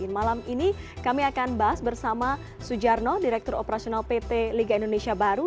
malam ini kami akan bahas bersama sujarno direktur operasional pt liga indonesia baru